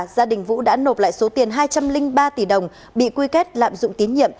gia đình vũ đã nộp lại số tiền hai trăm linh ba tỷ đồng bị quy kết lạm dụng tín nhiệm